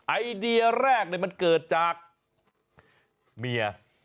ไอเดียแรกมันเกิดจากเมีย